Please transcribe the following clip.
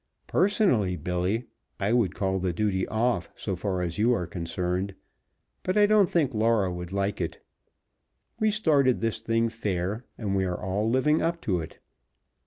Personally, Billy, I would call the duty off, so far as you are concerned, but I don't think Laura would like it. We started this thing fair, and we are all living up to it.